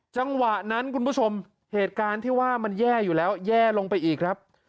จังหวะนั้นคุณผู้ชมเหตุการณ์ที่ว่ามันแย่อยู่แล้วแย่ลงไปอีกครับ